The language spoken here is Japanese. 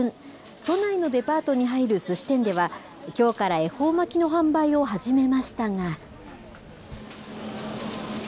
都内のデパートに入るすし店では、きょうから恵方巻きの販売を始めましたが。